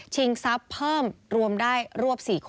ชิงซับเพิ่มรวมได้รวมซัก๔